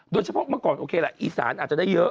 เมื่อก่อนโอเคแหละอีสานอาจจะได้เยอะ